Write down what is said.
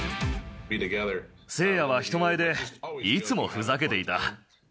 誠也は人前でいつもふざけていた。